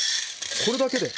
これだけで。